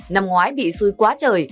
năm ngoái bị xuôi quá trời